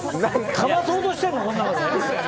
かまそうとしてるの、この中で。